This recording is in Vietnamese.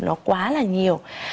nó quá là nhiều